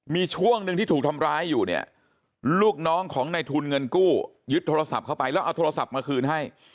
มีช่วงหนึ่งที่ถูกทำร้ายอยู่เนี่ยลูกน้องของในทุนเงินกู้ยึดโทรศัพท์เข้าไปแล้วเอาโทรศัพท์มาคืนให้